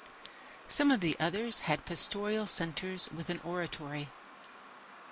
Some of the others had pastoral centres with an oratory.